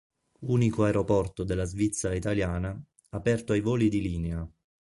Unico aeroporto della Svizzera Italiana, aperto ai voli di linea.